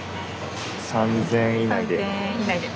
３，０００円以内で。